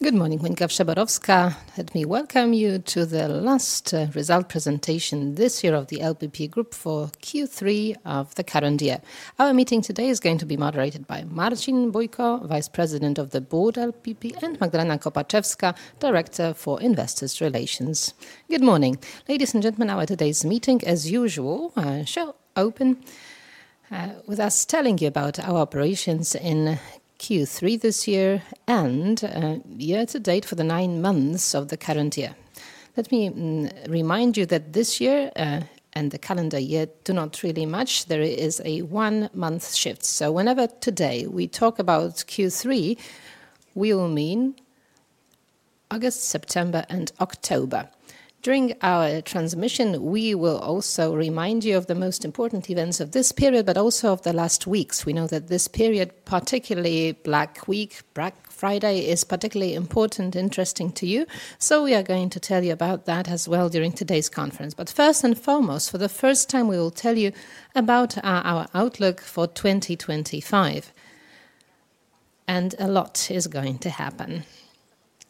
Good morning, Monika Przeborowska. Let me welcome you to the last result presentation this year of the LPP Group for Q3 of the current year. Our meeting today is going to be moderated by Marcin Bujko, Vice President of the Board LPP, and Magdalena Kopaczewska, Director for Investor Relations. Good morning, ladies and gentlemen. Our today's meeting, as usual, shall open with us telling you about our operations in Q3 this year and year-to-date for the nine months of the current year. Let me remind you that this year and the calendar year do not really match; there is a one-month shift. So whenever today we talk about Q3, we will mean August, September, and October. During our transmission, we will also remind you of the most important events of this period, but also of the last weeks. We know that this period, particularly Black Week, Black Friday, is particularly important and interesting to you. So we are going to tell you about that as well during today's conference. But first and foremost, for the first time, we will tell you about our outlook for 2025. And a lot is going to happen.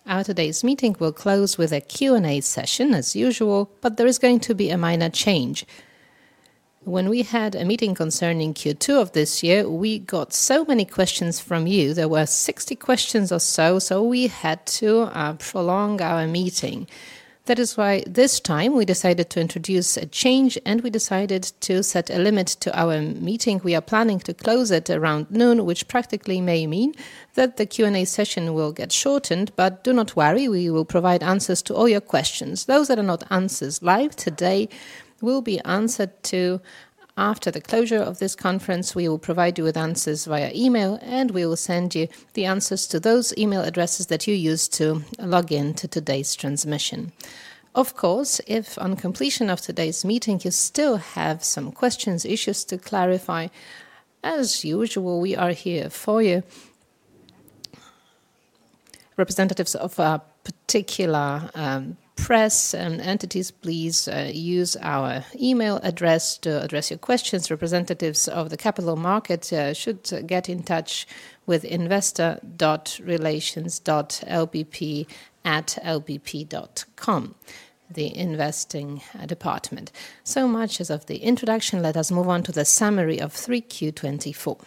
Our today's meeting will close with a Q&A session, as usual, but there is going to be a minor change. When we had a meeting concerning Q2 of this year, we got so many questions from you. There were 60 questions or so, so we had to prolong our meeting. That is why this time we decided to introduce a change, and we decided to set a limit to our meeting. We are planning to close it around noon, which practically may mean that the Q&A session will get shortened. Do not worry, we will provide answers to all your questions. Those that are not answered live today will be answered to after the closure of this conference. We will provide you with answers via email, and we will send you the answers to those email addresses that you used to log in to today's transmission. Of course, if on completion of today's meeting you still have some questions or issues to clarify, as usual, we are here for you. Representatives of particular press and entities, please use our email address to address your questions. Representatives of the capital market should get in touch with LPP.investor.relations@lpp.com, the Investor Relations department. So much for the introduction, let us move on to the summary of 3Q24.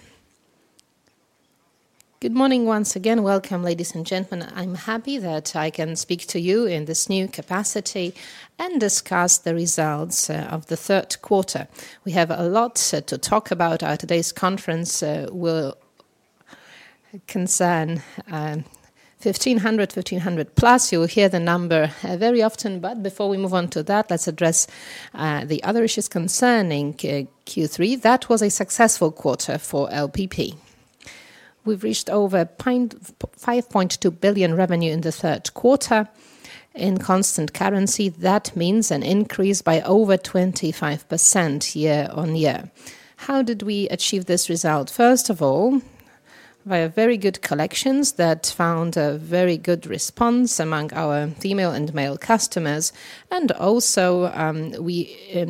Good morning once again. Welcome, ladies and gentlemen. I'm happy that I can speak to you in this new capacity and discuss the results of the third quarter. We have a lot to talk about. Our today's conference will concern 1,500, 1,500 plus. You will hear the number very often. But before we move on to that, let's address the other issues concerning Q3. That was a successful quarter for LPP. We've reached over 5.2 billion revenue in the third quarter in constant currency. That means an increase by over 25% year on year. How did we achieve this result? First of all, via very good collections that found a very good response among our female and male customers. And also, we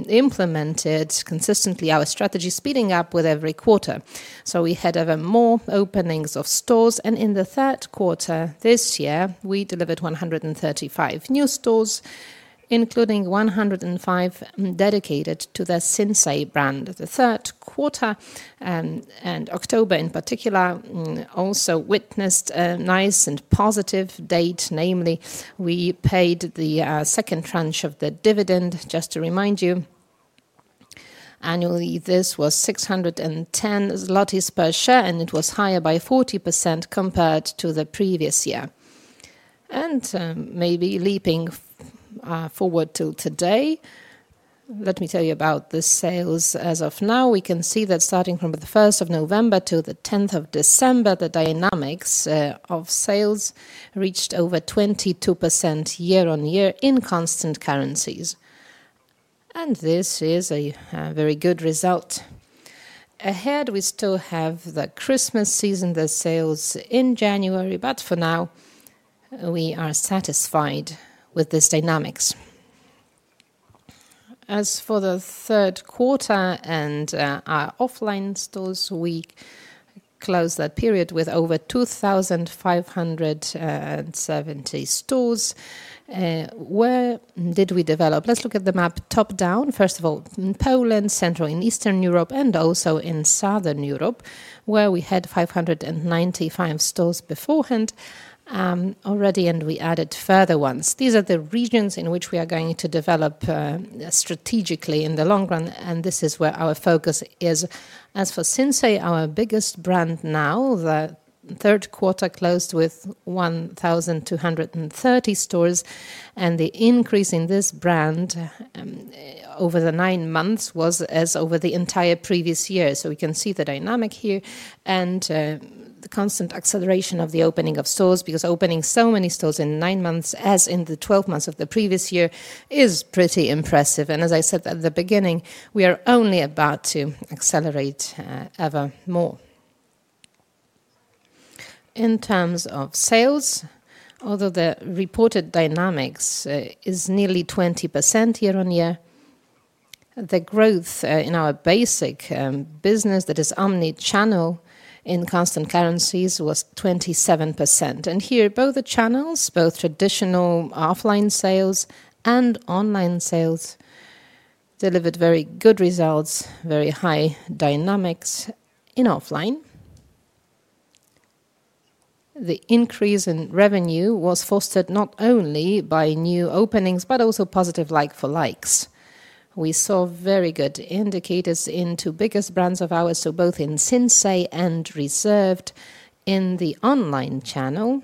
implemented consistently our strategy, speeding up with every quarter. So we had even more openings of stores. And in the third quarter this year, we delivered 135 new stores, including 105 dedicated to the Sinsay brand. The third quarter, and October in particular, also witnessed a nice and positive data, namely, we paid the second tranche of the dividend. Just to remind you, annually, this was 610 zlotys per share, and it was higher by 40% compared to the previous year, and maybe leaping forward till today, let me tell you about the sales. As of now, we can see that starting from the 1st of November to the 10th of December, the dynamics of sales reached over 22% year on year in constant currencies, and this is a very good result. Ahead, we still have the Christmas season, the sales in January, but for now, we are satisfied with these dynamics. As for the third quarter and our offline stores, we closed that period with over 2,570 stores. Where did we develop? Let's look at the map top down. First of all, in Poland, Central and Eastern Europe, and also in Southern Europe, where we had 595 stores beforehand already, and we added further ones. These are the regions in which we are going to develop strategically in the long run. And this is where our focus is. As for Sinsay, our biggest brand now, the third quarter closed with 1,230 stores. And the increase in this brand over the nine months was as over the entire previous year. So we can see the dynamic here and the constant acceleration of the opening of stores, because opening so many stores in nine months, as in the 12 months of the previous year, is pretty impressive. And as I said at the beginning, we are only about to accelerate ever more. In terms of sales, although the reported dynamics is nearly 20% year on year, the growth in our basic business that is omnichannel in constant currencies was 27%. And here, both the channels, both traditional offline sales and online sales, delivered very good results, very high dynamics in offline. The increase in revenue was fostered not only by new openings, but also positive like-for-likes. We saw very good indicators in the biggest brands of ours, so both in Sinsay and Reserved in the online channel.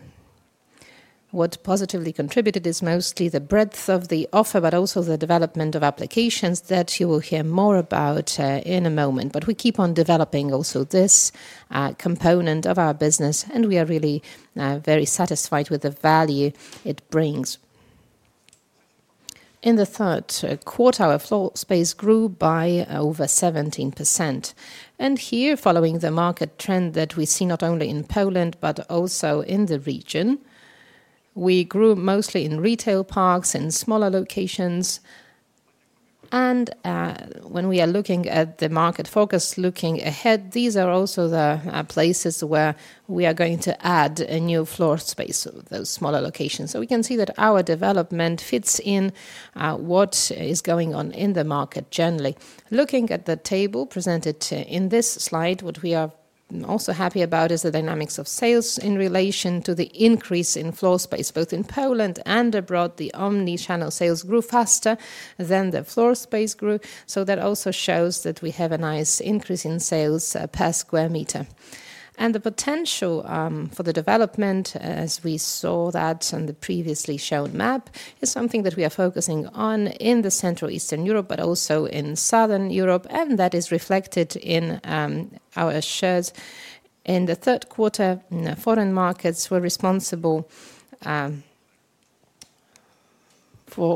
What positively contributed is mostly the breadth of the offer, but also the development of applications that you will hear more about in a moment. But we keep on developing also this component of our business, and we are really very satisfied with the value it brings. In the third quarter, our floor space grew by over 17%. Here, following the market trend that we see not only in Poland, but also in the region, we grew mostly in retail parks and smaller locations. When we are looking at the market focus, looking ahead, these are also the places where we are going to add a new floor space, those smaller locations. We can see that our development fits in what is going on in the market generally. Looking at the table presented in this slide, what we are also happy about is the dynamics of sales in relation to the increase in floor space, both in Poland and abroad. The Omnichannel sales grew faster than the floor space grew. That also shows that we have a nice increase in sales per square meter. The potential for the development, as we saw that on the previously shown map, is something that we are focusing on in the Central and Eastern Europe, but also in Southern Europe. That is reflected in our shares in the third quarter. Foreign markets were responsible for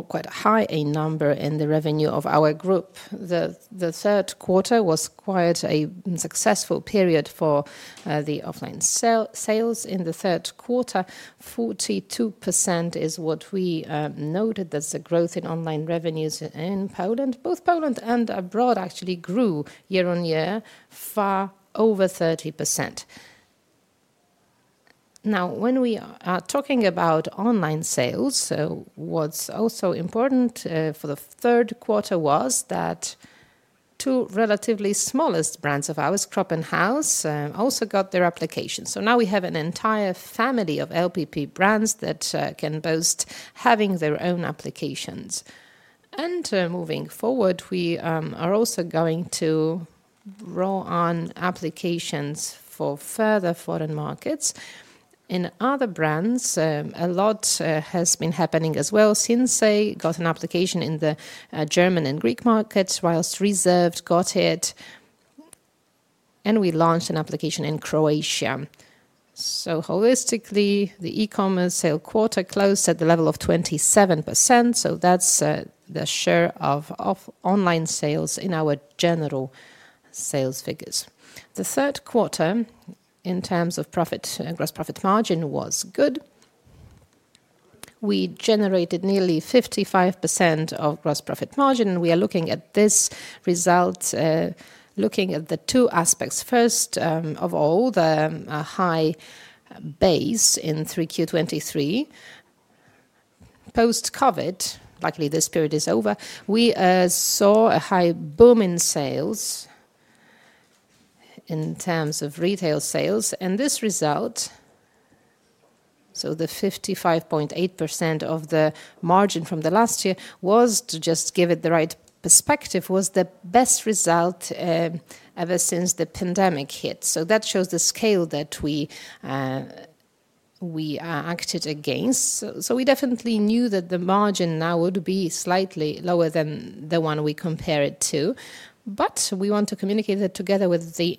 quite a high number in the revenue of our group. The third quarter was quite a successful period for the offline sales. In the third quarter, 42% is what we noted as the growth in online revenues in Poland. Both Poland and abroad actually grew year on year far over 30%. Now, when we are talking about online sales, what's also important for the third quarter was that two relatively smallest brands of ours, Cropp and House, also got their applications. So now we have an entire family of LPP brands that can boast having their own applications. And moving forward, we are also going to draw on applications for further foreign markets. In other brands, a lot has been happening as well. Sinsay got an application in the German and Greek markets, while Reserved got it. And we launched an application in Croatia. So holistically, the e-commerce sale quarter closed at the level of 27%. So that's the share of online sales in our general sales figures. The third quarter, in terms of gross profit margin, was good. We generated nearly 55% of gross profit margin. And we are looking at this result, looking at the two aspects. First of all, the high base in 3Q23. Post-COVID, luckily this period is over, we saw a high boom in sales in terms of retail sales. And this result, so the 55.8% of the margin from the last year, just to give it the right perspective, was the best result ever since the pandemic hit. So that shows the scale that we acted against. So we definitely knew that the margin now would be slightly lower than the one we compare it to. But we want to communicate that together with the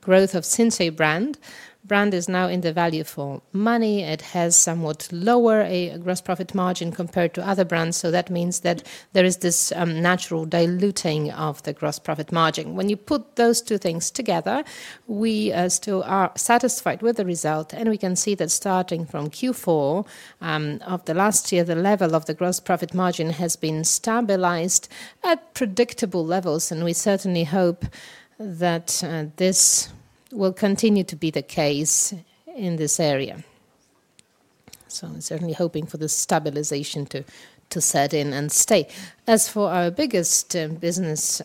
growth of Sinsay brand. Brand is now in the value for money. It has somewhat lower gross profit margin compared to other brands. So that means that there is this natural diluting of the gross profit margin. When you put those two things together, we still are satisfied with the result. And we can see that starting from Q4 of the last year, the level of the gross profit margin has been stabilized at predictable levels. We certainly hope that this will continue to be the case in this area. We're certainly hoping for the stabilization to set in and stay. As for our biggest business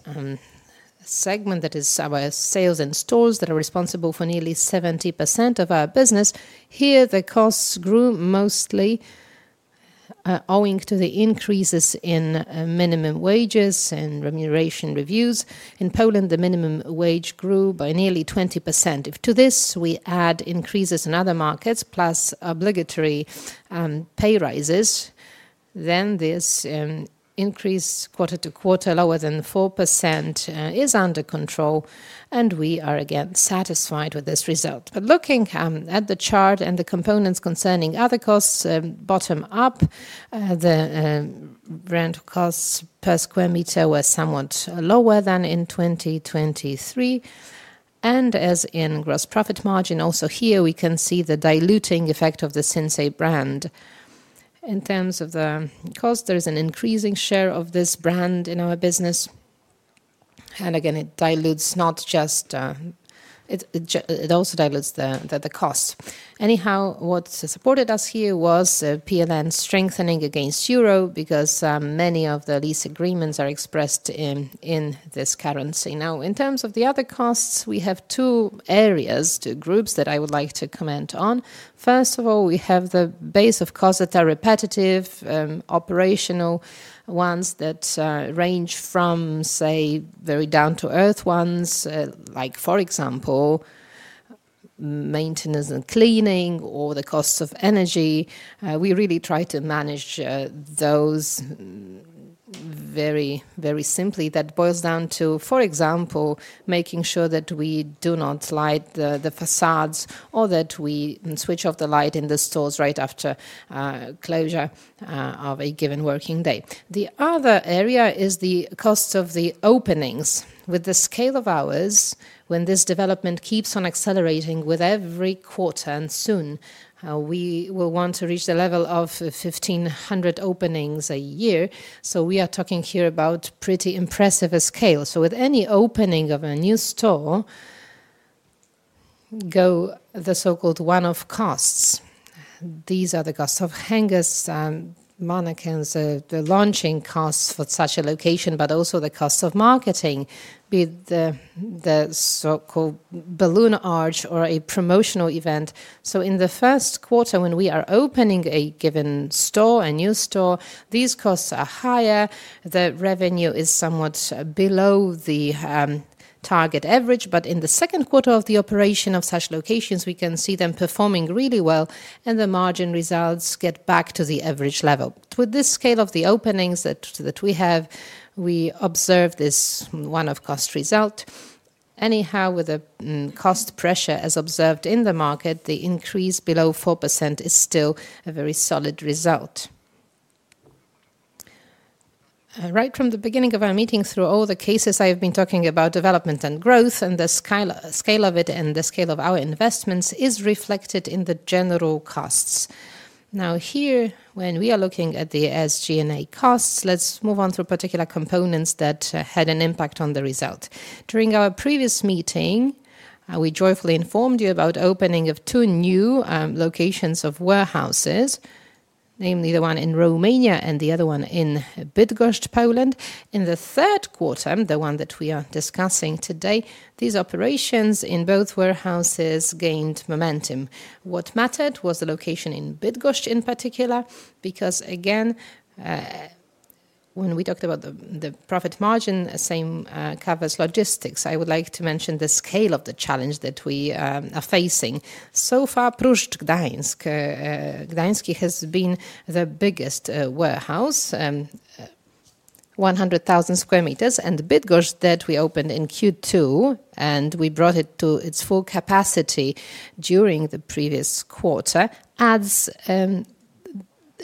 segment, that is our sales and stores that are responsible for nearly 70% of our business, here the costs grew mostly owing to the increases in minimum wages and remuneration reviews. In Poland, the minimum wage grew by nearly 20%. If to this we add increases in other markets, plus obligatory pay rises, then this increase quarter to quarter, lower than 4%, is under control. We are again satisfied with this result. Looking at the chart and the components concerning other costs, bottom up, the brand costs per square meter were somewhat lower than in 2023. As in gross profit margin, also here we can see the diluting effect of the Sinsay brand. In terms of the cost, there is an increasing share of this brand in our business, and again, it dilutes not just it also dilutes the costs. Anyhow, what supported us here was PLN strengthening against euro because many of the lease agreements are expressed in this currency. Now, in terms of the other costs, we have two areas, two groups that I would like to comment on. First of all, we have the base of costs that are repetitive, operational ones that range from, say, very down-to-earth ones, like for example, maintenance and cleaning or the costs of energy. We really try to manage those very, very simply. That boils down to, for example, making sure that we do not light the facades or that we switch off the light in the stores right after closure of a given working day. The other area is the cost of the openings with the scale of ours, when this development keeps on accelerating with every quarter, and soon we will want to reach the level of 1,500 openings a year, so we are talking here about pretty impressive a scale, so with any opening of a new store go the so-called one-off costs. These are the costs of hangers, mannequins, the launching costs for such a location, but also the costs of marketing, be it the so-called balloon arch or a promotional event, so in the first quarter, when we are opening a given store, a new store, these costs are higher. The revenue is somewhat below the target average, but in the second quarter of the operation of such locations, we can see them performing really well, and the margin results get back to the average level. With this scale of the openings that we have, we observe this one-off cost result. Anyhow, with the cost pressure as observed in the market, the increase below 4% is still a very solid result. Right from the beginning of our meeting, through all the cases I have been talking about, development and growth and the scale of it and the scale of our investments is reflected in the general costs. Now here, when we are looking at the SG&A costs, let's move on to particular components that had an impact on the result. During our previous meeting, we joyfully informed you about the opening of two new locations of warehouses, namely the one in Romania and the other one in Bydgoszcz, Poland. In the third quarter, the one that we are discussing today, these operations in both warehouses gained momentum. What mattered was the location in Bydgoszcz in particular, because again, when we talked about the profit margin, same cover as logistics. I would like to mention the scale of the challenge that we are facing. So far, Pruszcz Gdański has been the biggest warehouse, 100,000 square meters. And Bydgoszcz, that we opened in Q2 and we brought it to its full capacity during the previous quarter, adds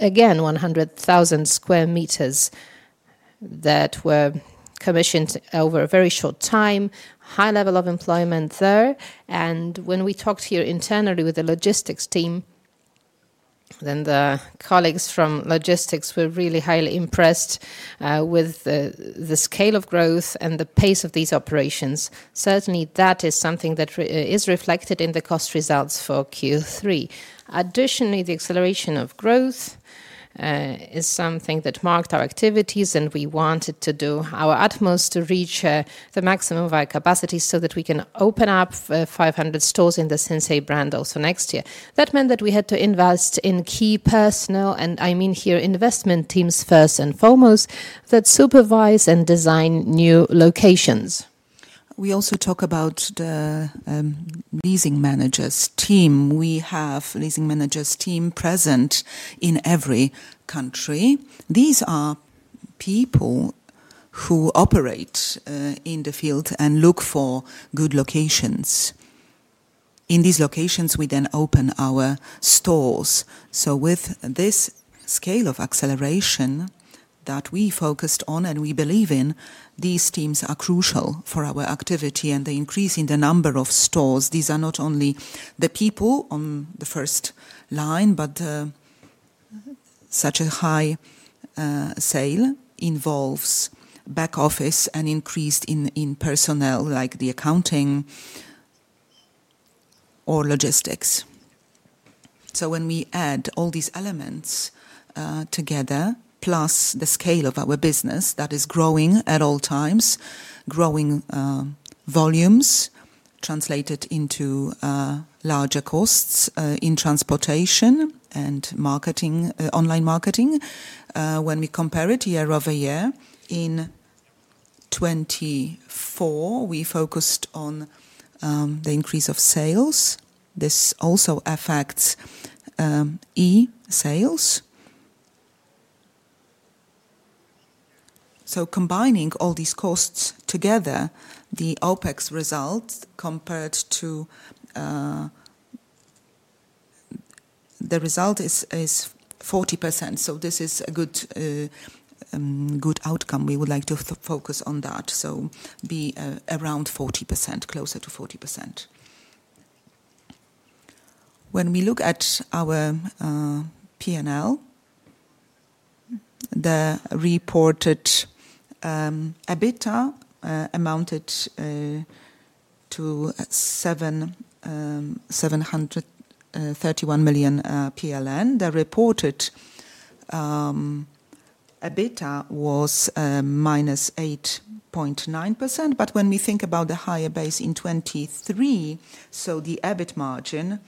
again 100,000 square meters that were commissioned over a very short time, high level of employment there. And when we talked here internally with the logistics team, then the colleagues from logistics were really highly impressed with the scale of growth and the pace of these operations. Certainly, that is something that is reflected in the cost results for Q3. Additionally, the acceleration of growth is something that marked our activities, and we wanted to do our utmost to reach the maximum of our capacity so that we can open up 500 stores in the Sinsay brand also next year. That meant that we had to invest in key personnel, and I mean here investment teams first and foremost, that supervise and design new locations. We also talk about the leasing managers team. We have a leasing managers team present in every country. These are people who operate in the field and look for good locations. In these locations, we then open our stores. So with this scale of acceleration that we focused on and we believe in, these teams are crucial for our activity and the increase in the number of stores. These are not only the people on the first line, but such a high sale involves back office and increased in personnel, like the accounting or logistics. So when we add all these elements together, plus the scale of our business that is growing at all times, growing volumes translated into larger costs in transportation and online marketing, when we compare it year over year, in 2024, we focused on the increase of sales. This also affects e-sales. So combining all these costs together, the OpEx result compared to the result is 40%. So this is a good outcome. We would like to focus on that, so be around 40%, closer to 40%. When we look at our P&L, the reported EBITDA amounted to PLN 731 million. The reported EBITDA was minus 8.9%. But when we think about the higher base in 2023, so the EBIT margin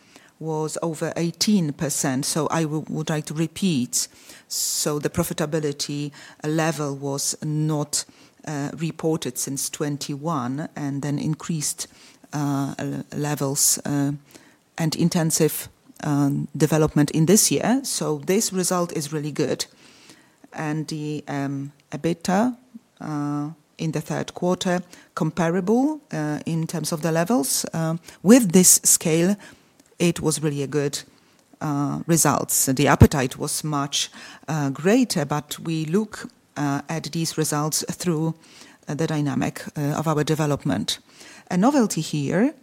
was over 18%. So I would like to repeat. So the profitability level was not reported since 2021 and then increased levels and intensive development in this year. So this result is really good. And the EBITDA in the third quarter, comparable in terms of the levels. With this scale, it was really a good result. The appetite was much greater. But we look at these results through the dynamic of our development. A novelty here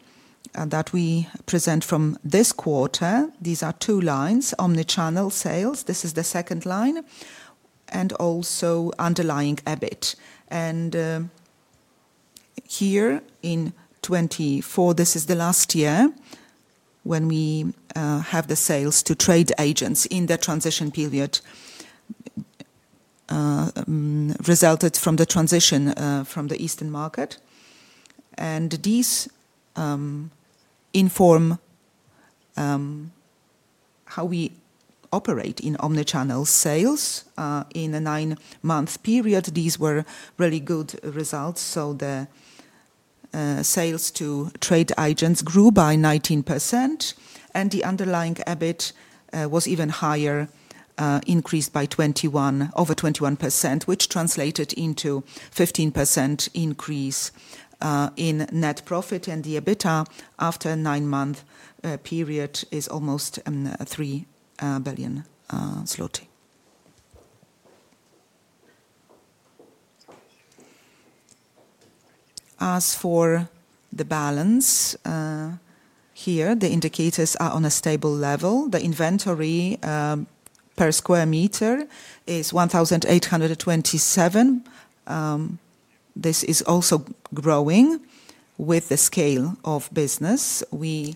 that we present from this quarter, these are two lines: omnichannel sales. This is the second line and also underlying EBIT. And here in 2024, this is the last year when we have the sales to trade agents in the transition period resulted from the transition from the Eastern market. And these inform how we operate in omnichannel sales. In a nine-month period, these were really good results. So the sales to trade agents grew by 19%. The underlying EBIT was even higher, increased by over 21%, which translated into a 15% increase in net profit. The EBITDA after a nine-month period is almost PLN 3 billion. As for the balance here, the indicators are on a stable level. The inventory per square meter is 1,827. This is also growing with the scale of business. We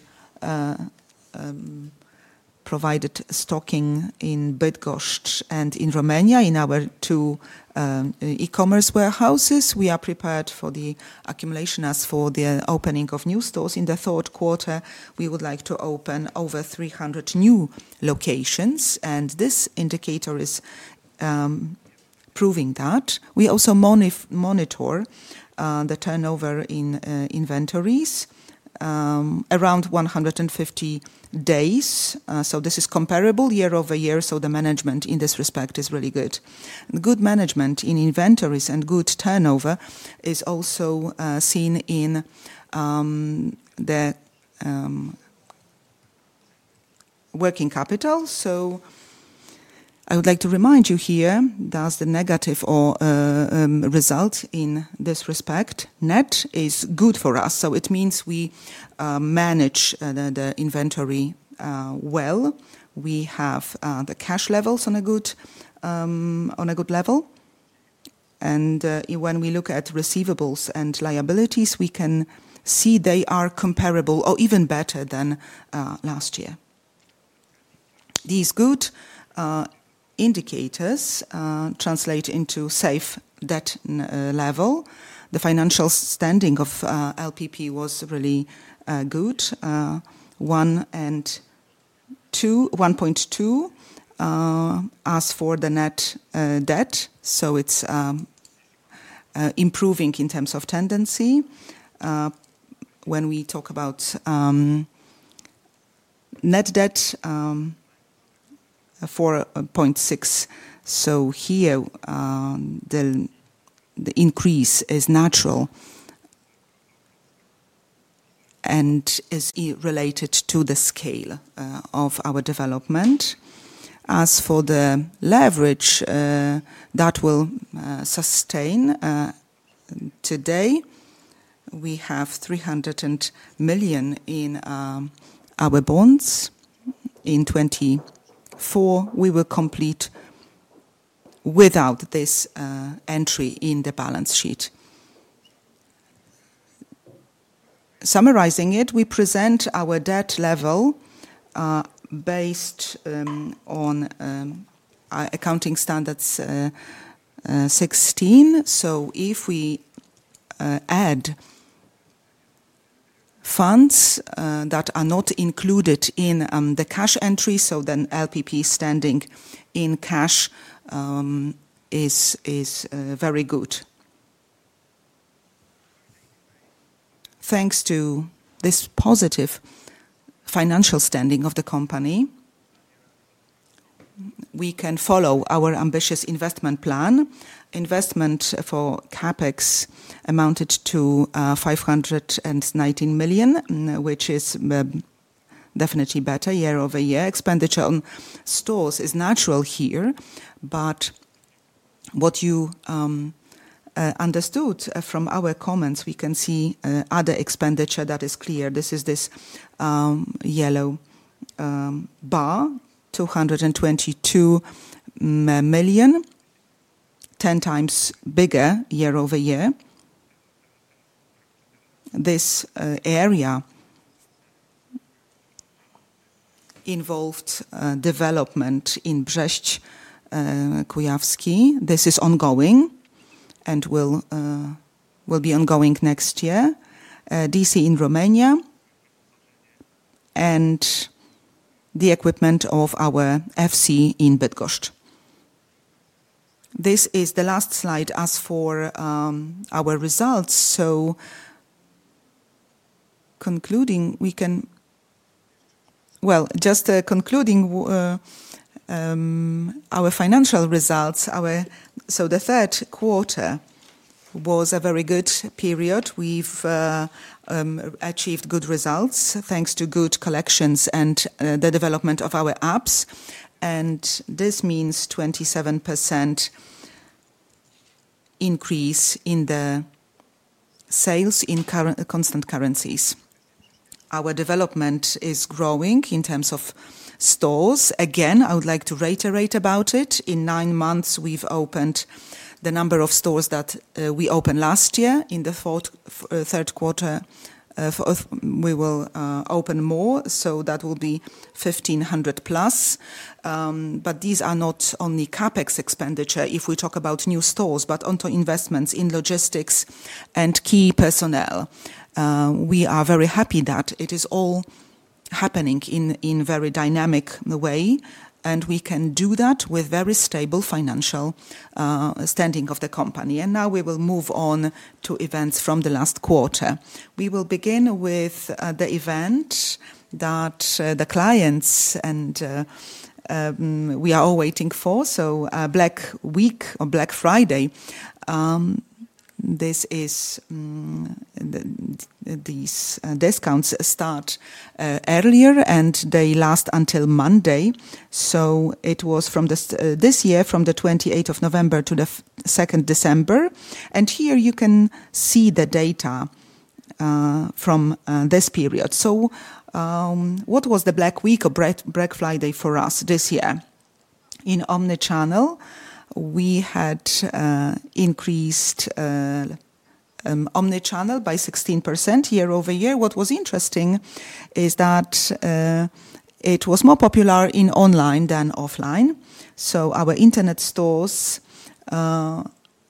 provided stocking in Bydgoszcz and in Romania in our two e-commerce warehouses. We are prepared for the accumulation. As for the opening of new stores in the third quarter, we would like to open over 300 new locations. This indicator is proving that. We also monitor the turnover in inventories around 150 days. This is comparable year over year. The management in this respect is really good. Good management in inventories and good turnover is also seen in the working capital. So I would like to remind you here, the negative result in this respect net is good for us. So it means we manage the inventory well. We have the cash levels on a good level. And when we look at receivables and liabilities, we can see they are comparable or even better than last year. These good indicators translate into safe debt level. The financial standing of LPP was really good. 1.2x for the net debt. So it's improving in terms of tendency. When we talk about net debt 4.6, so here the increase is natural and is related to the scale of our development. As for the leverage that will sustain today, we have 300 million in our bonds. In 2024, we will complete without this entry in the balance sheet. Summarizing it, we present our debt level based on accounting standards 16. If we add funds that are not included in the cash entry, so then LPP standing in cash is very good. Thanks to this positive financial standing of the company, we can follow our ambitious investment plan. Investment for CapEx amounted to 519 million, which is definitely better year over year. Expenditure on stores is natural here. But what you understood from our comments, we can see other expenditure that is clear. This is the yellow bar, 222 million, 10 times bigger year over year. This area involved development in Brześć Kujawski. This is ongoing and will be ongoing next year. DC in Romania and the equipment of our FC in Bydgoszcz. This is the last slide as for our results. Concluding our financial results. The third quarter was a very good period. We've achieved good results thanks to good collections and the development of our apps. This means 27% increase in the sales in constant currencies. Our development is growing in terms of stores. Again, I would like to reiterate about it. In nine months, we've opened the number of stores that we opened last year. In the third quarter, we will open more. That will be 1,500 plus. These are not only CapEx expenditure if we talk about new stores, but onto investments in logistics and key personnel. We are very happy that it is all happening in a very dynamic way. We can do that with very stable financial standing of the company. Now we will move on to events from the last quarter. We will begin with the event that the clients and we are all waiting for. Black Week or Black Friday, these discounts start earlier and they last until Monday. It was from this year, from the 28th of November to the 2nd of December. Here you can see the data from this period. What was the Black Week or Black Friday for us this year? In omnichannel, we had increased omnichannel by 16% year over year. What was interesting is that it was more popular in online than offline. Our internet stores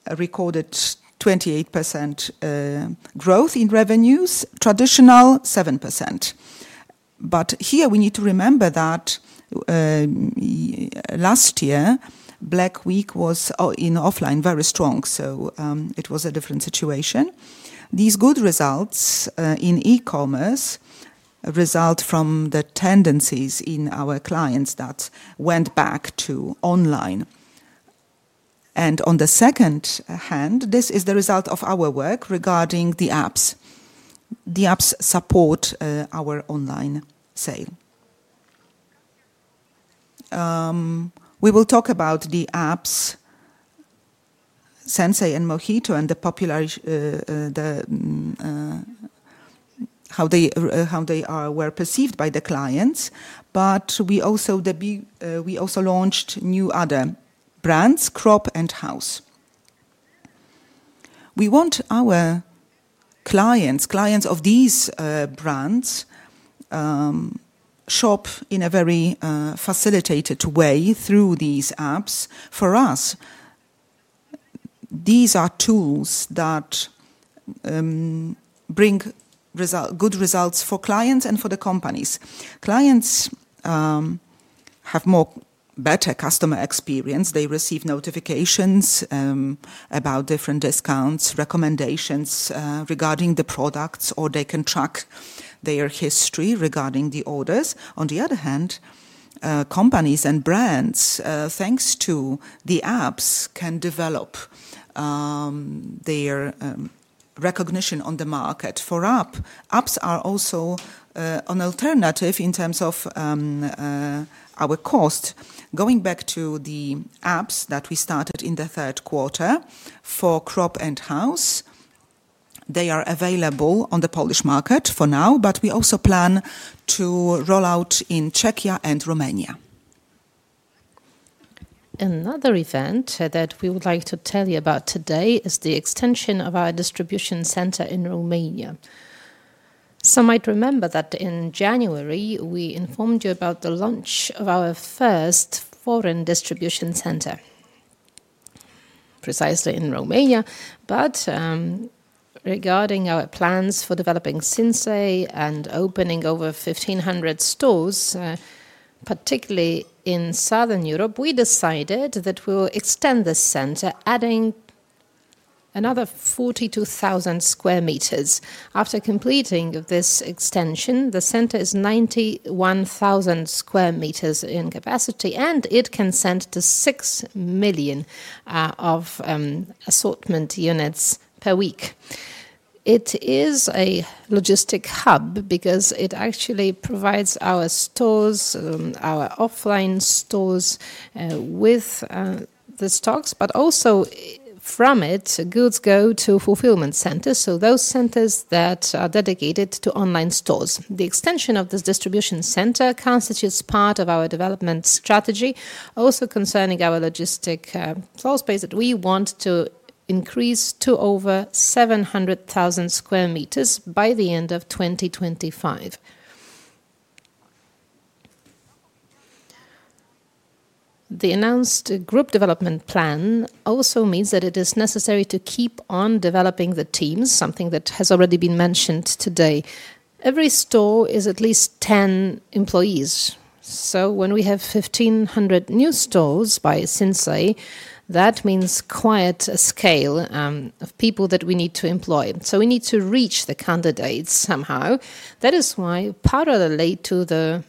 recorded 28% growth in revenues, traditional 7%. Here we need to remember that last year, Black Week was in offline very strong. It was a different situation. These good results in e-commerce result from the tendencies in our clients that went back to online. On the second hand, this is the result of our work regarding the apps. The apps support our online sale. We will talk about the apps, Sinsay and Mohito, and how they were perceived by the clients. But we also launched new other brands, Cropp and House. We want our clients, clients of these brands, shop in a very facilitated way through these apps. For us, these are tools that bring good results for clients and for the companies. Clients have a better customer experience. They receive notifications about different discounts, recommendations regarding the products, or they can track their history regarding the orders. On the other hand, companies and brands, thanks to the apps, can develop their recognition on the market for apps. Apps are also an alternative in terms of our cost. Going back to the apps that we started in the third quarter for Cropp and House, they are available on the Polish market for now, but we also plan to roll out in Czechia and Romania. Another event that we would like to tell you about today is the extension of our distribution center in Romania. Some might remember that in January, we informed you about the launch of our first foreign distribution center precisely in Romania. But regarding our plans for developing Sinsay and opening over 1,500 stores, particularly in Southern Europe, we decided that we will extend the center, adding another 42,000 square meters. After completing this extension, the center is 91,000 square meters in capacity, and it can send to 6 million of assortment units per week. It is a logistic hub because it actually provides our stores, our offline stores with the stocks, but also from it, goods go to fulfillment centers. So those centers that are dedicated to online stores. The extension of this distribution center constitutes part of our development strategy, also concerning our logistics floor space that we want to increase to over 700,000 square meters by the end of 2025. The announced group development plan also means that it is necessary to keep on developing the teams, something that has already been mentioned today. Every store is at least 10 employees. So when we have 1,500 new stores by Sinsay, that means quite a scale of people that we need to employ. So we need to reach the candidates somehow. That is why, parallelly to the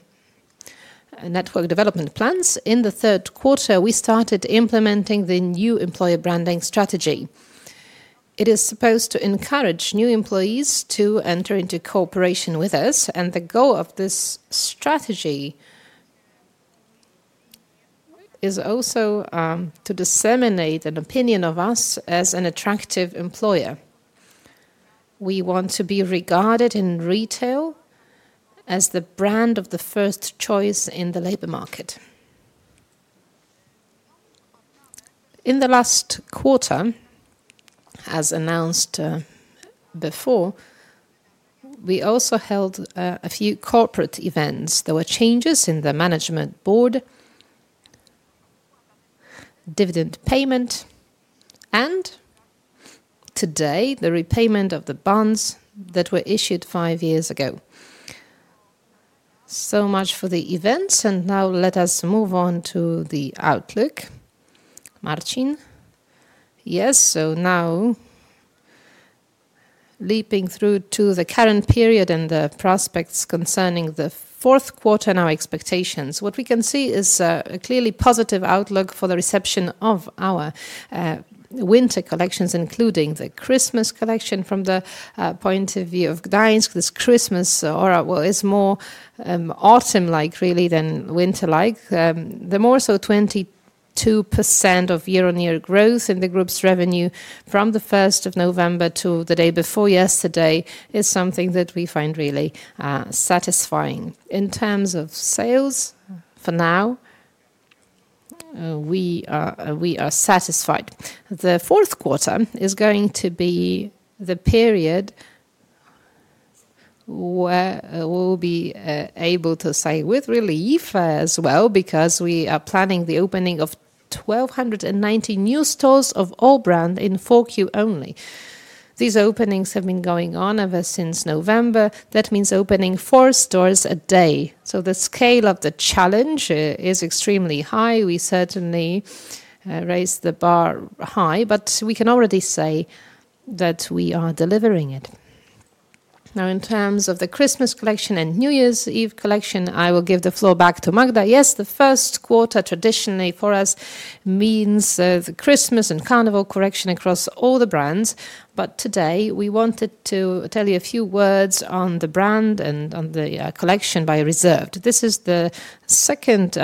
network development plans, in the third quarter, we started implementing the new employer branding strategy. It is supposed to encourage new employees to enter into cooperation with us, and the goal of this strategy is also to disseminate an opinion of us as an attractive employer. We want to be regarded in retail as the brand of the first choice in the labor market. In the last quarter, as announced before, we also held a few corporate events. There were changes in the management board, dividend payment, and today, the repayment of the bonds that were issued five years ago. So much for the events, and now let us move on to the outlook. Marcin. Yes, so now leaping through to the current period and the prospects concerning the fourth quarter and our expectations. What we can see is a clearly positive outlook for the reception of our winter collections, including the Christmas collection from the point of view of Gdańsk. This Christmas aura is more autumn-like really than winter-like. The more so 22% of year-on-year growth in the group's revenue from the 1st of November to the day before yesterday is something that we find really satisfying. In terms of sales for now, we are satisfied. The fourth quarter is going to be the period where we'll be able to say with relief as well because we are planning the opening of 290 new stores of all brands in Q4 only. These openings have been going on ever since November. That means opening four stores a day. So the scale of the challenge is extremely high. We certainly raised the bar high, but we can already say that we are delivering it. Now, in terms of the Christmas collection and New Year's Eve collection, I will give the floor back to Magda. Yes, the first quarter traditionally for us means the Christmas and carnival collection across all the brands, but today, we wanted to tell you a few words on the brand and on the collection by Reserved. This is the second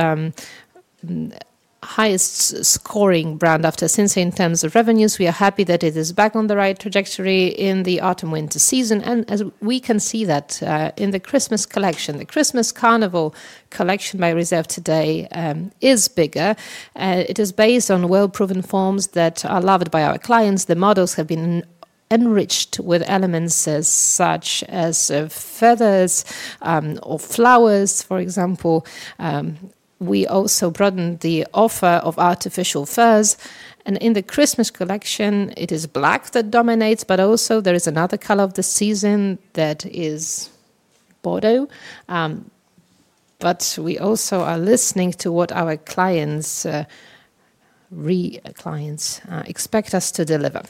highest scoring brand after Sinsay in terms of revenues. We are happy that it is back on the right trajectory in the autumn-winter season, and as we can see that in the Christmas collection, the Christmas carnival collection by Reserved today is bigger. It is based on well-proven forms that are loved by our clients. The models have been enriched with elements such as feathers or flowers, for example. We also broadened the offer of artificial furs, and in the Christmas collection, it is black that dominates, but also there is another color of the season that is bordeaux. But we also are listening to what our clients expect us to deliver.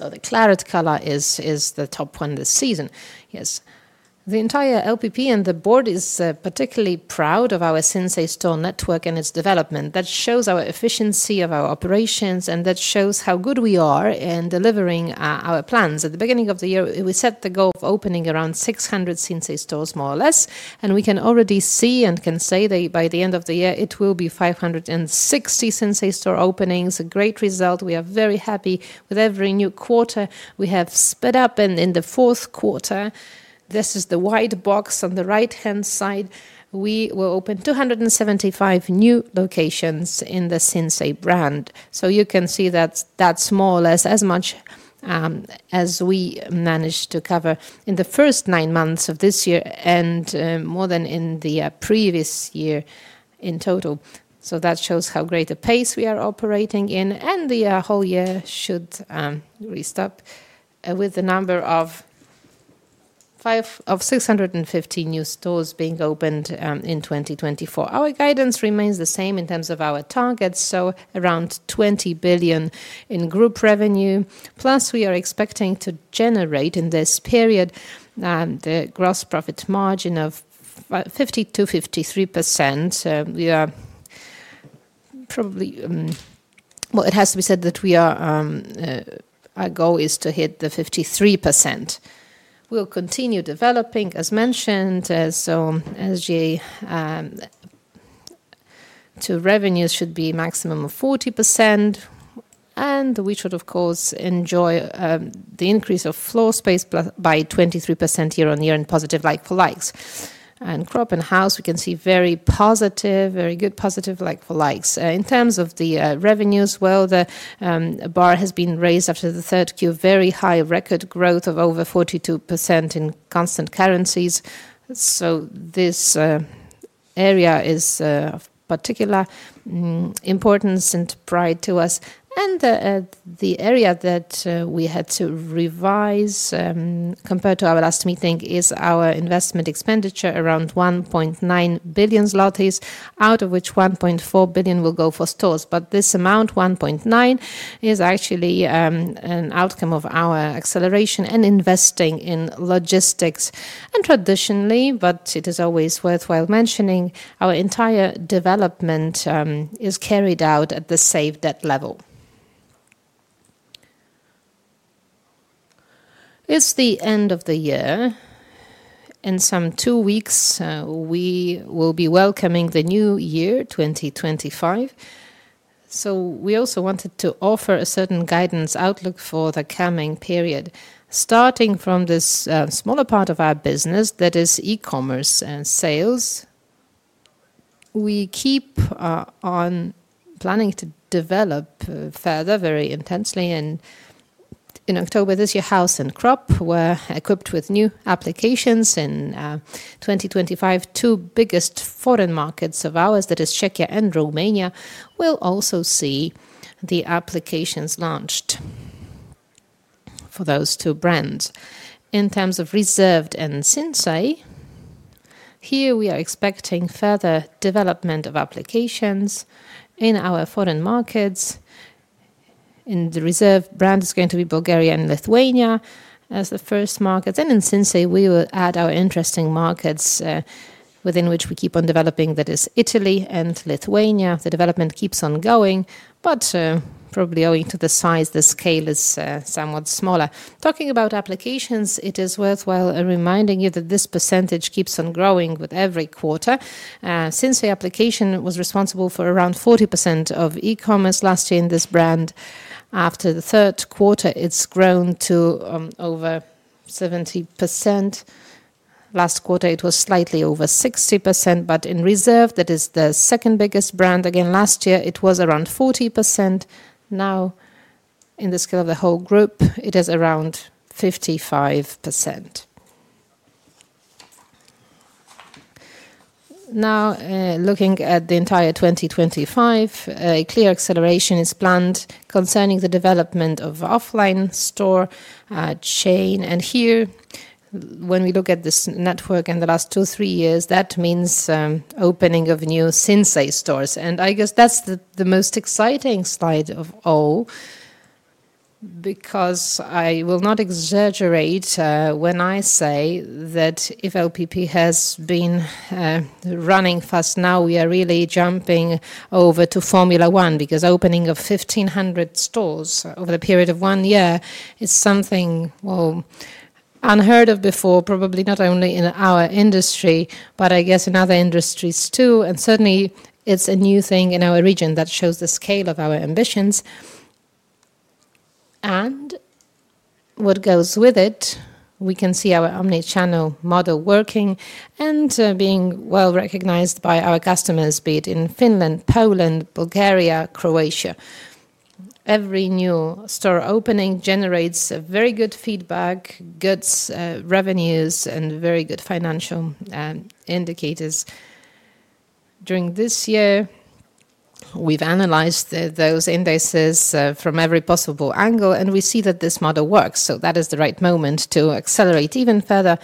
So the claret color is the top one this season. Yes. The entire LPP and the board is particularly proud of our Sinsay store network and its development. That shows our efficiency of our operations and that shows how good we are in delivering our plans. At the beginning of the year, we set the goal of opening around 600 Sinsay stores more or less. And we can already see and can say that by the end of the year, it will be 560 Sinsay store openings. A great result. We are very happy with every new quarter we have sped up. And in the fourth quarter, this is the white box on the right-hand side. We will open 275 new locations in the Sinsay brand. You can see that that's more or less as much as we managed to cover in the first nine months of this year and more than in the previous year in total. That shows how great a pace we are operating in. The whole year should result with the number of 650 new stores being opened in 2024. Our guidance remains the same in terms of our targets, so around 20 billion in group revenue. Plus, we are expecting to generate in this period the gross profit margin of 50%-53%. It has to be said that our goal is to hit the 53%. We'll continue developing, as mentioned. Revenues should be a maximum of 40%. We should, of course, enjoy the increase of floor space by 23% year on year and positive like-for-likes. And Cropp and House, we can see very positive, very good positive like-for-likes. In terms of the revenues, well, the bar has been raised after the third quarter. Very high record growth of over 42% in constant currencies. So this area is of particular importance and pride to us. And the area that we had to revise compared to our last meeting is our investment expenditure around 1.9 billion zlotys, out of which 1.4 billion PLN will go for stores. But this amount, 1.9, is actually an outcome of our acceleration and investing in logistics and traditionally, but it is always worthwhile mentioning, our entire development is carried out at the same debt level. It's the end of the year. In some two weeks, we will be welcoming the new year, 2025. So we also wanted to offer a certain guidance outlook for the coming period. Starting from this smaller part of our business that is e-commerce and sales, we keep on planning to develop further very intensely. And in October, this year, House and Cropp were equipped with new applications in 2025. Two biggest foreign markets of ours that is Czechia and Romania will also see the applications launched for those two brands. In terms of Reserved and Sinsay, here we are expecting further development of applications in our foreign markets. In the Reserved brand, it's going to be Bulgaria and Lithuania as the first markets. And in Sinsay, we will add our interesting markets within which we keep on developing, that is Italy and Lithuania. The development keeps on going, but probably owing to the size, the scale is somewhat smaller. Talking about applications, it is worthwhile reminding you that this percentage keeps on growing with every quarter. Sinsay application was responsible for around 40% of e-commerce last year in this brand. After the third quarter, it's grown to over 70%. Last quarter, it was slightly over 60%. But in Reserved, that is the second biggest brand. Again, last year, it was around 40%. Now, in the scale of the whole group, it is around 55%. Now, looking at the entire 2025, a clear acceleration is planned concerning the development of offline store chain. Here, when we look at this network in the last two, three years, that means opening of new Sinsay stores. I guess that's the most exciting slide of all because I will not exaggerate when I say that if LPP has been running fast now, we are really jumping over to Formula 1 because opening of 1,500 stores over the period of one year is something, well, unheard of before, probably not only in our industry, but I guess in other industries too. Certainly, it's a new thing in our region that shows the scale of our ambitions. What goes with it, we can see our omnichannel model working and being well recognized by our customers, be it in Finland, Poland, Bulgaria, Croatia. Every new store opening generates very good feedback, good revenues, and very good financial indicators. During this year, we've analyzed those indices from every possible angle, and we see that this model works. That is the right moment to accelerate even further.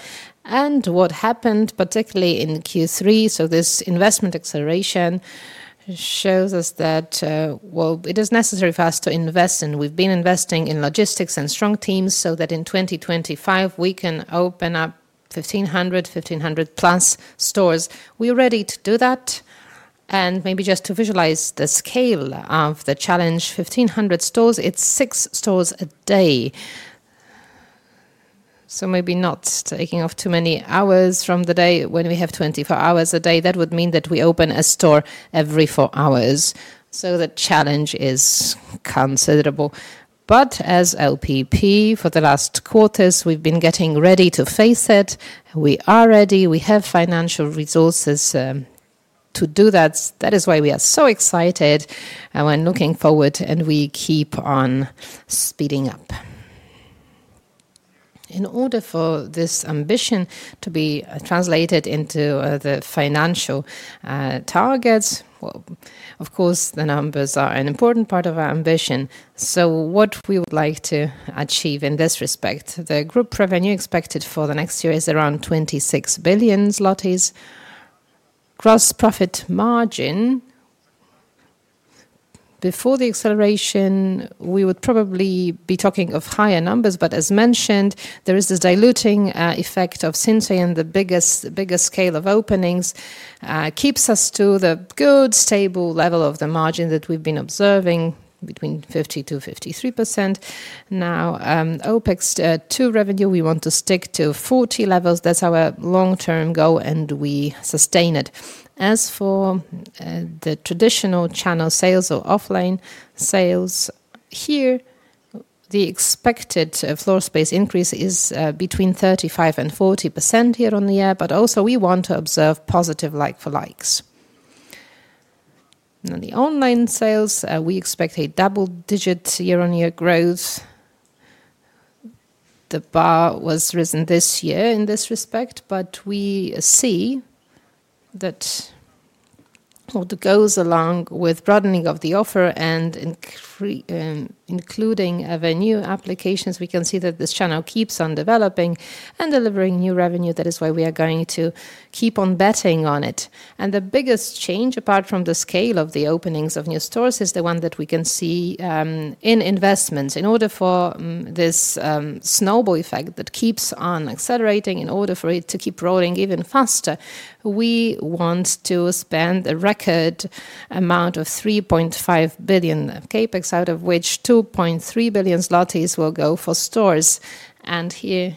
And what happened, particularly in Q3, so this investment acceleration shows us that, well, it is necessary for us to invest. And we've been investing in logistics and strong teams so that in 2025, we can open up 1,500, 1,500 plus stores. We are ready to do that. And maybe just to visualize the scale of the challenge, 1,500 stores, it's six stores a day. So maybe not taking off too many hours from the day when we have 24 hours a day. That would mean that we open a store every four hours. So the challenge is considerable. But as LPP, for the last quarters, we've been getting ready to face it. We are ready. We have financial resources to do that. That is why we are so excited and looking forward, and we keep on speeding up. In order for this ambition to be translated into the financial targets, well, of course, the numbers are an important part of our ambition, so what we would like to achieve in this respect, the group revenue expected for the next year is around 26 billion zlotys. Gross profit margin. Before the acceleration, we would probably be talking of higher numbers, but as mentioned, there is the diluting effect of Sinsay and the biggest scale of openings keeps us to the good stable level of the margin that we've been observing between 50%-53%. Now, OpEx to revenue, we want to stick to 40 levels. That's our long-term goal, and we sustain it. As for the traditional channel sales or offline sales, here, the expected floor space increase is between 35% and 40% year on year, but also we want to observe positive like-for-likes. On the online sales, we expect a double-digit year-on-year growth. The bar was risen this year in this respect, but we see that what goes along with broadening of the offer and including new applications, we can see that this channel keeps on developing and delivering new revenue. That is why we are going to keep on betting on it. The biggest change, apart from the scale of the openings of new stores, is the one that we can see in investments. In order for this snowball effect that keeps on accelerating, in order for it to keep rolling even faster, we want to spend a record amount of 3.5 billion of CapEx, out of which 2.3 billion zlotys will go for stores. Here,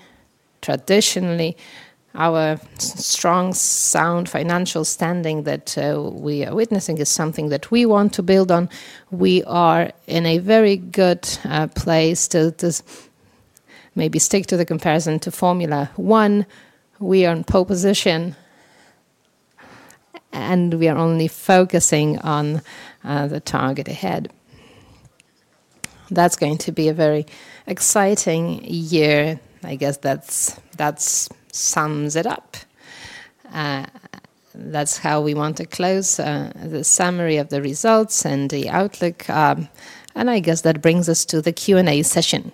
traditionally, our strong, sound financial standing that we are witnessing is something that we want to build on. We are in a very good place to maybe stick to the comparison to Formula 1. We are in pole position, and we are only focusing on the target ahead. That's going to be a very exciting year. I guess that sums it up. That's how we want to close the summary of the results and the outlook, and I guess that brings us to the Q&A session.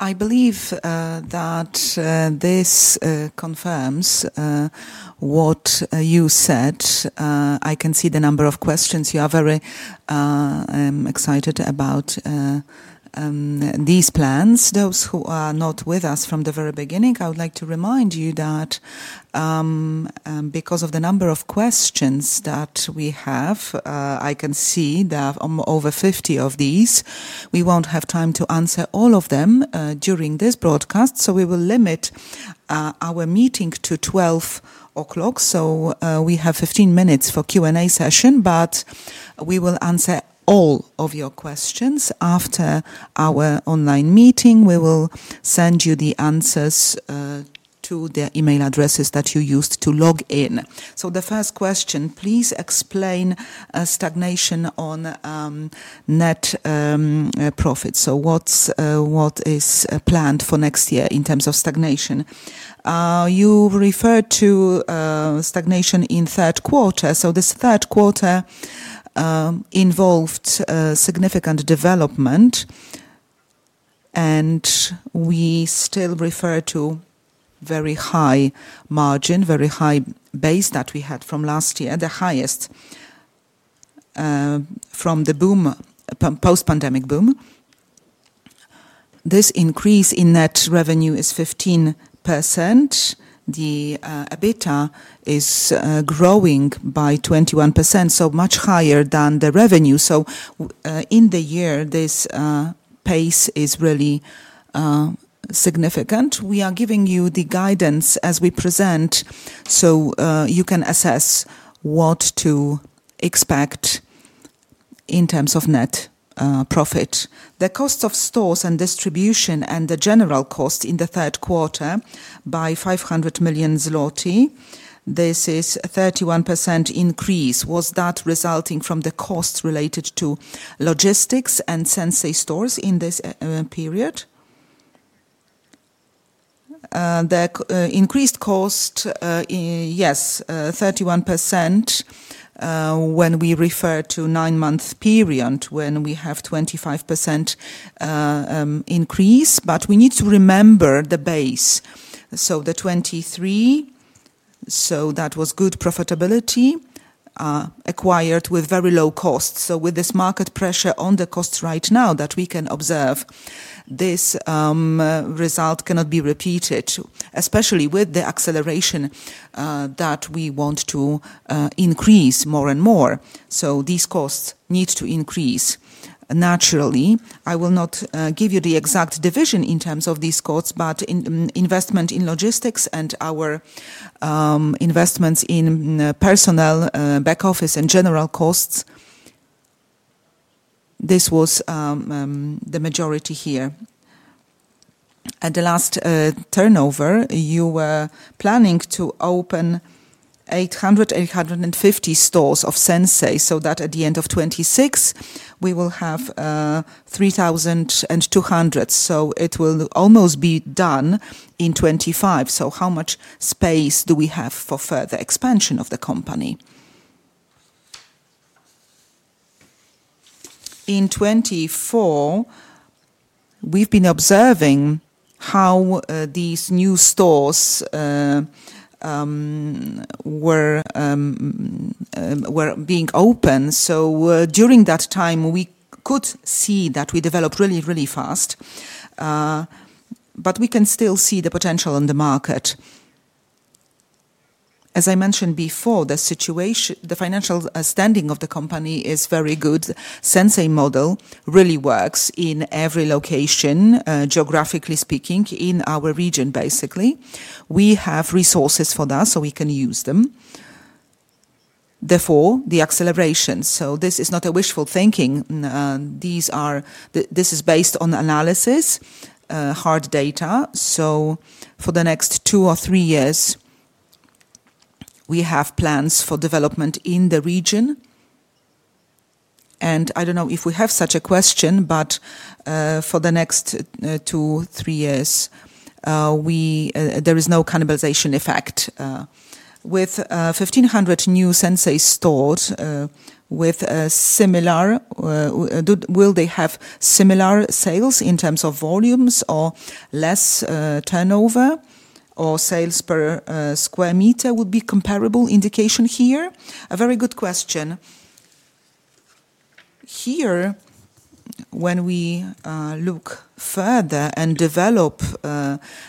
I believe that this confirms what you said. I can see the number of questions. You are very excited about these plans. Those who are not with us from the very beginning, I would like to remind you that because of the number of questions that we have, I can see there are over 50 of these. We won't have time to answer all of them during this broadcast, so we will limit our meeting to 12 o'clock. We have 15 minutes for Q&A session, but we will answer all of your questions after our online meeting. We will send you the answers to the email addresses that you used to log in. So the first question, please explain stagnation on net profits. So what is planned for next year in terms of stagnation? You referred to stagnation in third quarter. So this third quarter involved significant development, and we still refer to very high margin, very high base that we had from last year, the highest from the post-pandemic boom. This increase in net revenue is 15%. The EBITDA is growing by 21%, so much higher than the revenue. So in the year, this pace is really significant. We are giving you the guidance as we present so you can assess what to expect in terms of net profit. The cost of stores and distribution and the general cost in the third quarter by 500 million zloty, this is a 31% increase. Was that resulting from the costs related to logistics and Sinsay stores in this period? The increased cost, yes, 31% when we refer to nine-month period when we have 25% increase, but we need to remember the base. So the 23, so that was good profitability acquired with very low costs. So with this market pressure on the costs right now that we can observe, this result cannot be repeated, especially with the acceleration that we want to increase more and more. So these costs need to increase naturally. I will not give you the exact division in terms of these costs, but investment in logistics and our investments in personnel, back office, and general costs, this was the majority here. At the last turnover, you were planning to open 800, 850 stores of Sinsay, so that at the end of 2026, we will have 3,200. So it will almost be done in 2025. So how much space do we have for further expansion of the company? In 2024, we've been observing how these new stores were being opened. So during that time, we could see that we developed really, really fast, but we can still see the potential on the market. As I mentioned before, the financial standing of the company is very good. Sinsay model really works in every location, geographically speaking, in our region, basically. We have resources for that, so we can use them. Therefore, the acceleration. So this is not a wishful thinking. This is based on analysis, hard data. So for the next two or three years, we have plans for development in the region. I don't know if we have such a question, but for the next two, three years, there is no cannibalization effect. With 1,500 new Sinsay stores with a similar, will they have similar sales in terms of volumes or less turnover or sales per square meter would be comparable indication here? A very good question. Here, when we look further and develop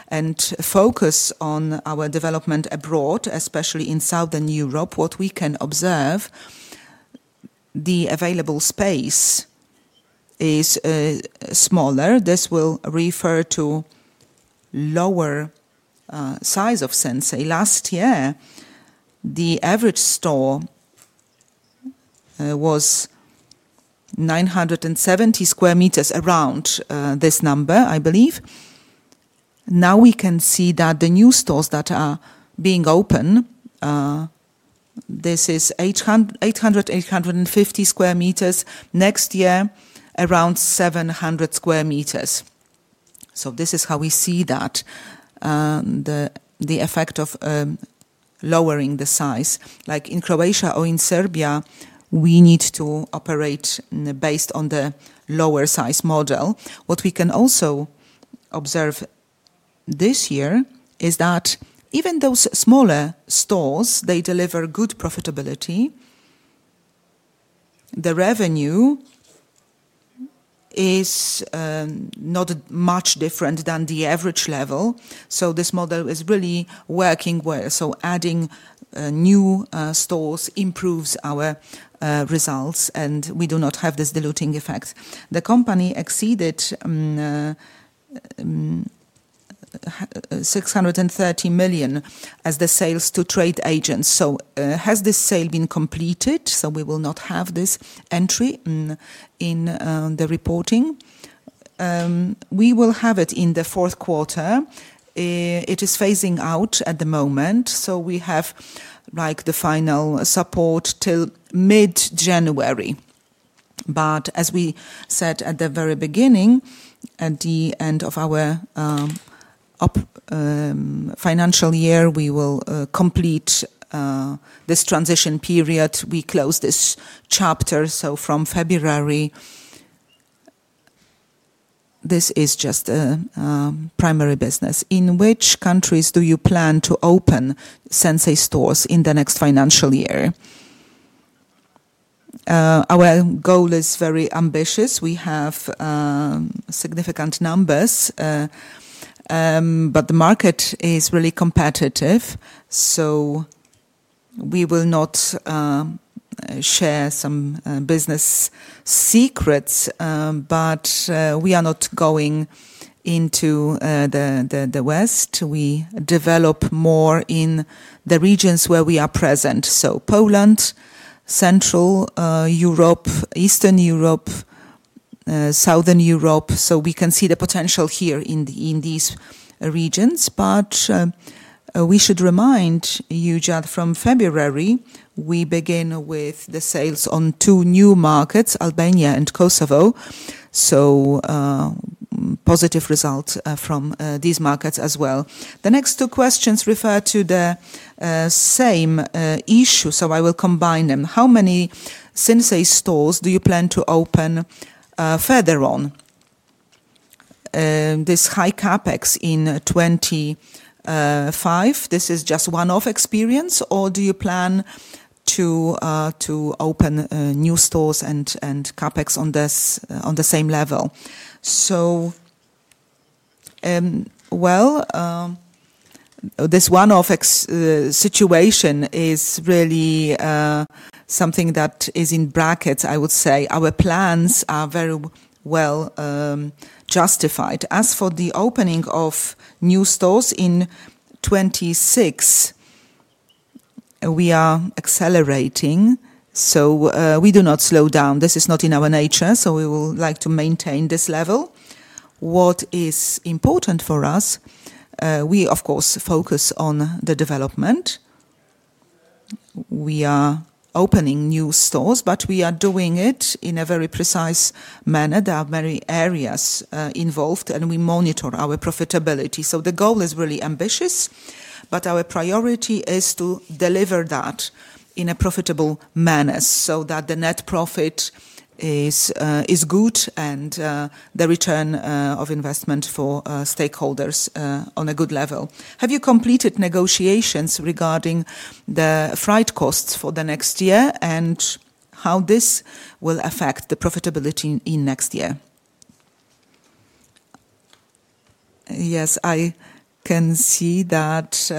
and focus on our development abroad, especially in Southern Europe, what we can observe, the available space is smaller. This will refer to lower size of Sinsay. Last year, the average store was 970 square meters around this number, I believe. Now we can see that the new stores that are being open, this is 800-850 square meters. Next year, around 700 square meters. So this is how we see that the effect of lowering the size. Like in Croatia or in Serbia, we need to operate based on the lower size model. What we can also observe this year is that even those smaller stores, they deliver good profitability. The revenue is not much different than the average level. So this model is really working well. So adding new stores improves our results, and we do not have this diluting effect. The company exceeded 630 million as the sales to trade agents. So has this sale been completed? So we will not have this entry in the reporting. We will have it in the fourth quarter. It is phasing out at the moment. So we have the final support till mid-January. But as we said at the very beginning, at the end of our financial year, we will complete this transition period. We close this chapter. So from February, this is just primary business. In which countries do you plan to open Sinsay stores in the next financial year? Our goal is very ambitious. We have significant numbers, but the market is really competitive. So we will not share some business secrets, but we are not going into the West. We develop more in the regions where we are present. So Poland, Central Europe, Eastern Europe, Southern Europe. So we can see the potential here in these regions. But we should remind you that from February, we begin with the sales on two new markets, Albania and Kosovo. So positive results from these markets as well. The next two questions refer to the same issue. So I will combine them. How many Sinsay stores do you plan to open further on? This high CapEx in 2025, this is just one-off expense, or do you plan to open new stores and CapEx on the same level? So, well, this one-off situation is really something that is in brackets, I would say. Our plans are very well justified. As for the opening of new stores in 2026, we are accelerating. So we do not slow down. This is not in our nature, so we would like to maintain this level. What is important for us, we, of course, focus on the development. We are opening new stores, but we are doing it in a very precise manner. There are many areas involved, and we monitor our profitability. So the goal is really ambitious, but our priority is to deliver that in a profitable manner so that the net profit is good and the return on investment for stakeholders on a good level. Have you completed negotiations regarding the freight costs for the next year and how this will affect the profitability in next year? Yes, I can see that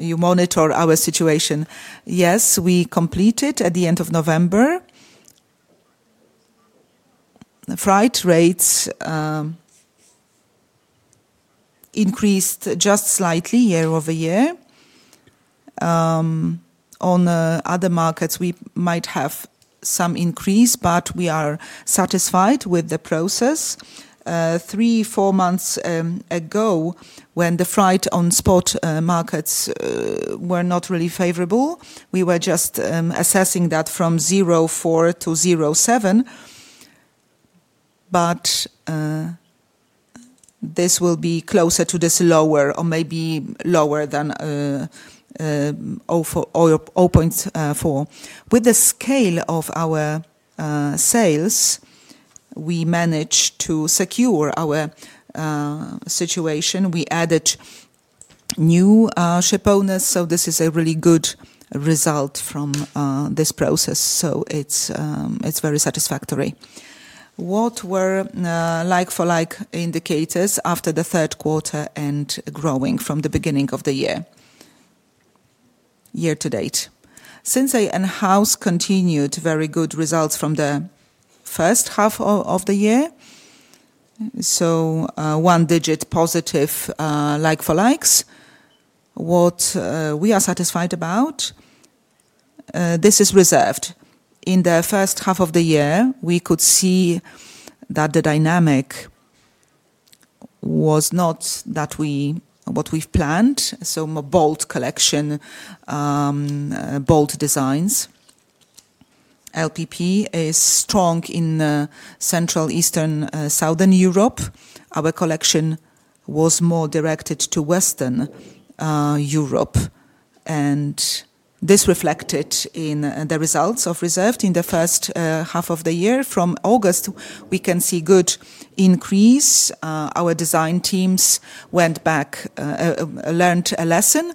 you monitor our situation. Yes, we completed at the end of November. Flight rates increased just slightly year over year. On other markets, we might have some increase, but we are satisfied with the process. Three, four months ago, when the freight on spot markets were not really favorable, we were just assessing that from 0.4 to 0.7. But this will be closer to this lower or maybe lower than 0.4. With the scale of our sales, we managed to secure our situation. We added new ship owners, so this is a really good result from this process. So it's very satisfactory. What were like-for-like indicators after the third quarter and growing from the beginning of the year? Year to date. Sinsay and House continued very good results from the first half of the year. One-digit positive like-for-likes. What we are satisfied about, this is Reserved. In the first half of the year, we could see that the dynamic was not what we've planned. More bold collection, bold designs. LPP is strong in Central, Eastern, Southern Europe. Our collection was more directed to Western Europe, and this reflected in the results of Reserved in the first half of the year. From August, we can see good increase. Our design teams went back, learned a lesson.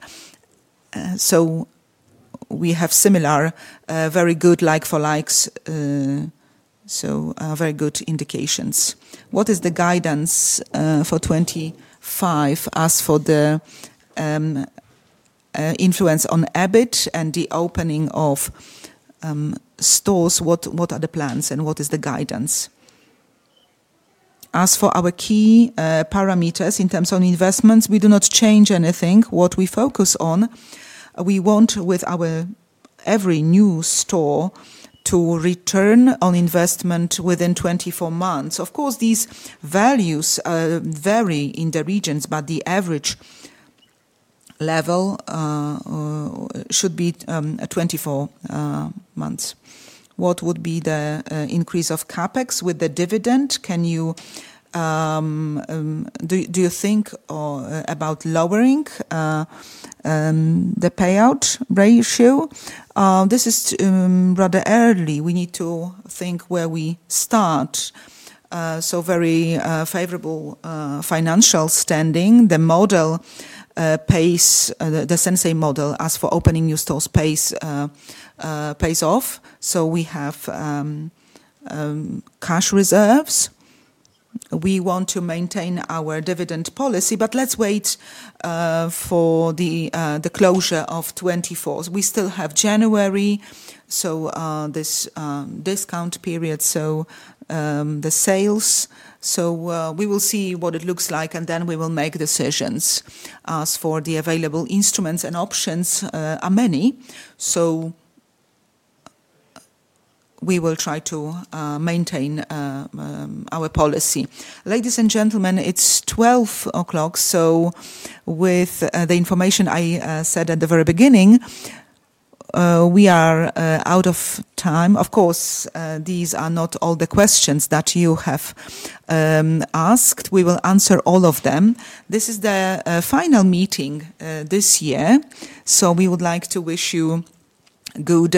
We have similar very good like-for-likes, very good indications. What is the guidance for 25 as for the influence on EBIT and the opening of stores? What are the plans and what is the guidance? As for our key parameters in terms of investments, we do not change anything. What we focus on, we want with our every new store to return on investment within 24 months. Of course, these values vary in the regions, but the average level should be 24 months. What would be the increase of CapEx with the dividend? Can you, do you think about lowering the payout ratio? This is rather early. We need to think where we start. We have very favorable financial standing. The model, the Sinsay model as for opening new stores pays off. We have cash reserves. We want to maintain our dividend policy, but let's wait for the closure of 2024. We still have January, so this discount period, so the sales. We will see what it looks like, and then we will make decisions as for the available instruments and options are many. We will try to maintain our policy. Ladies and gentlemen, it's 12:00 P.M. So with the information I said at the very beginning, we are out of time. Of course, these are not all the questions that you have asked. We will answer all of them. This is the final meeting this year. So we would like to wish you good,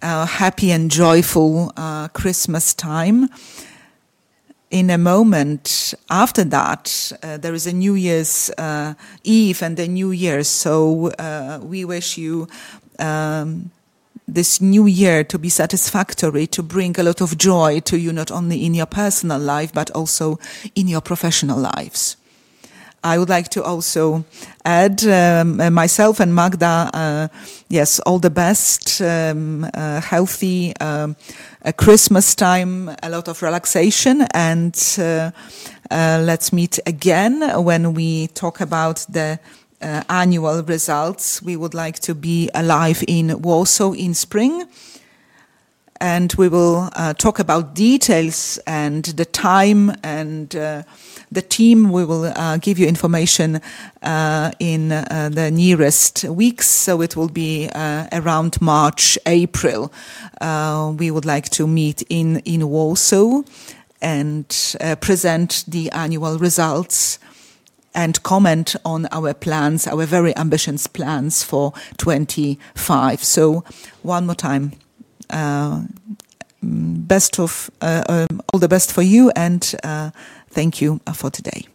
happy, and joyful Christmas time. In a moment after that, there is a New Year's Eve and the New Year. So we wish you this new year to be satisfactory, to bring a lot of joy to you not only in your personal life, but also in your professional lives. I would like to also add myself and Magda, yes, all the best, healthy Christmas time, a lot of relaxation, and let's meet again when we talk about the annual results. We would like to be alive in Warsaw in spring. And we will talk about details and the time and the team. We will give you information in the nearest weeks. So it will be around March, April. We would like to meet in Warsaw and present the annual results and comment on our plans, our very ambitious plans for 2025. So one more time, all the best for you, and thank you for today.